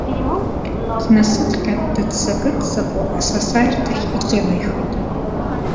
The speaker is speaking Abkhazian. Днасыдҟьан, дыццакы-ццакуа, асасааирҭахь иҿынеихеит.